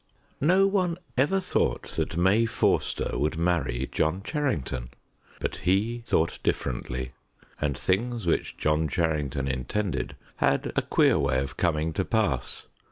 No one ever thought that May Forster would marry John Charrington; but he thought differently, and things which John Charrington intended had a queer way of coming to pass.